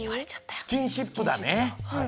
スキンシップだね！